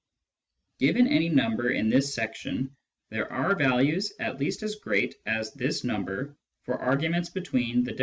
Given any number in this section, there are values at least as great as this number for arguments between a— e and a, i.